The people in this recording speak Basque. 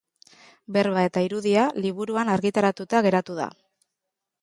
Berba eta irudia liburuan argitaratuta geratu da.